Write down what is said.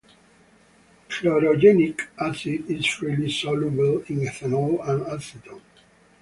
Chlorogenic acid is freely soluble in ethanol and acetone.